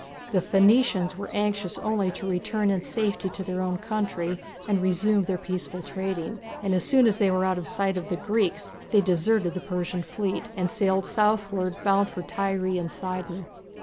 The Phoenicians were anxious only to return in safety to their own country and resume their peaceful trading, and as soon as they were out of sight of the Greeks, they deserted the Persian fleet, and sailed southwards, bound for Tyre and Sidon.